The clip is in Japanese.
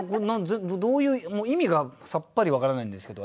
どういう意味がさっぱり分からないんですけど